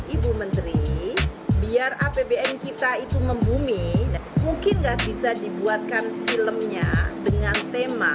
ibu menteri biar apbn kita itu membumi mungkin nggak bisa dibuatkan filmnya dengan tema